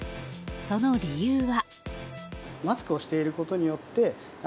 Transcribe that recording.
その理由は。